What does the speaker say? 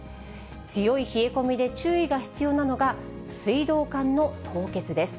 強い冷え込みで注意が必要なのが、水道管の凍結です。